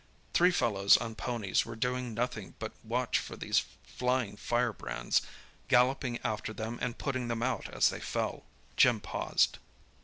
Three fellows on ponies were doing nothing but watch for these flying firebrands, galloping after them and putting them out as they fell." Jim paused.